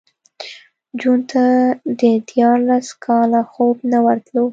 جون ته دیارلس کاله خوب نه ورتلو